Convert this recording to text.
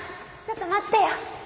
ちょっと待ってよ！